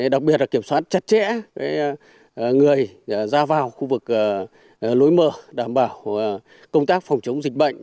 đặc biệt là kiểm soát chặt chẽ người ra vào khu vực lối mở đảm bảo công tác phòng chống dịch bệnh